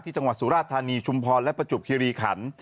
จังหวัดสุราธานีชุมพรและประจวบคิริขัน